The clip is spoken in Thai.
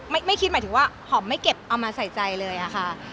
ไม่คิดหมายถึงว่าหอมไม่เก็บเอามาใส่ใจเลยอะค่ะ